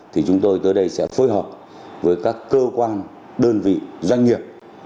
thì chúng tôi tới đây sẽ phối hợp với các cơ quan đơn vị doanh nghiệp